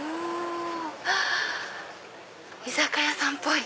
居酒屋さんっぽい。